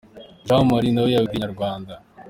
Jean Marie na we yabwiye Inyarwanda.